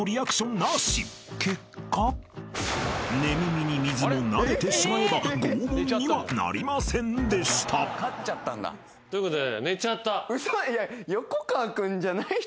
［結果「寝耳に水」も慣れてしまえば拷問にはなりませんでした］ということで。